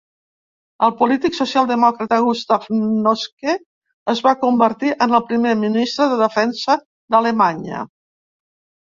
El polític socialdemòcrata Gustav Noske es va convertir en el primer ministre de Defensa d'Alemanya.